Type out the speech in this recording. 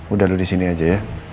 udah lo disini aja ya